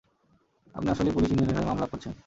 আপনি আসলেই পুলিশ ইউনিয়নের হয়ে মামলা করছেন।